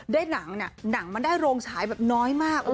ได้หนังหนังมันได้โรงฉายแบบน้อยมาก